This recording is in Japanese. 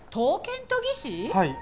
はい。